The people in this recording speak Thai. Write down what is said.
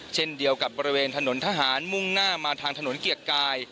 เช่นเดียวกับบริเวณถนนทหารมุ่งหน้ามาทางถนนเกียรติกาย